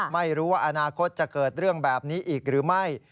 ไม่รู้ว่าอนาคตจะเกิดเรื่องแบบนี้อีกหรือไม่